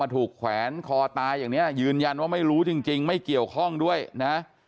แขวนคอตายอย่างนี้ยืนยันว่าไม่รู้จริงไม่เกี่ยวข้องด้วยนะ